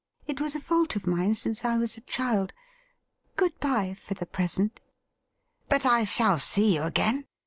It was a fault of mine since I was a child. Good bye for the present.' ' But I shall see you again